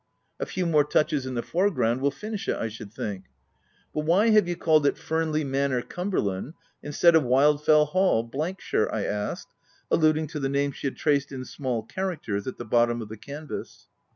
" A few more touches in the foreground will finish it I should think. — But uhy have you called it Fernley Manor, Cumberland, instead of Wiidfell Hall, shire ?" I asked, alluding to the name she had traced in small characters at the bottom of the canvass.